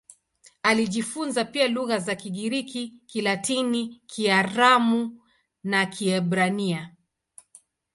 Alijifunza pia lugha za Kigiriki, Kilatini, Kiaramu na Kiebrania.